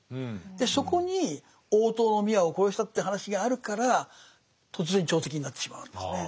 そこに大塔宮を殺したって話があるから突然朝敵になってしまうんですね。